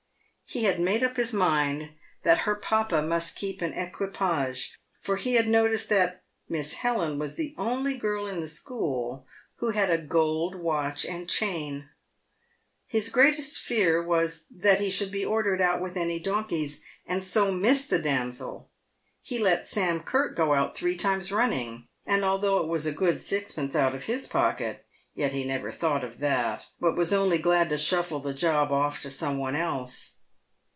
He had made up his mind that her papa must keep an equipage, for he had noticed that Miss Helen was the only girl in the school who had a gold watch and chain. His greatest fear was, that he should be ordered out with any donkeys, and so miss the damsel. He let Sam Curt go out three times running, and although it was a good sixpence out of his pocket, yet he never thought of that, but was only glad to shuffle the job off to some one else.